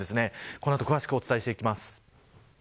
この後詳しくお伝えしていきます。